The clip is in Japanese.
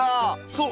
そう。